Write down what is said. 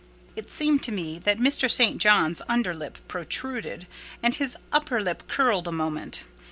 It seemed to me that Mr. St. John's under lip protruded, and his upper lip curled a moment.